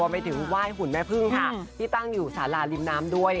ไปถึงไหว้หุ่นแม่พึ่งค่ะที่ตั้งอยู่สาราริมน้ำด้วย